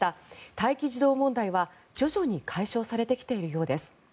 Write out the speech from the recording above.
待機児童問題は、徐々に解消されてきているようです。